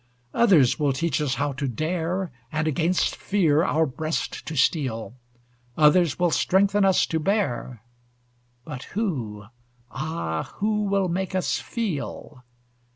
Others will teach us how to dare, And against fear our breast to steel; Others will strengthen us to bear But who, ah! who, will make us feel?